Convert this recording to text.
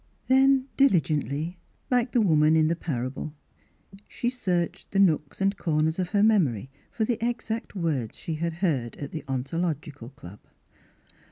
Then diligently, like the woman in the parable, she searched the nooks and cor ners of her memory for the exact words she had heard at the Ontological Club.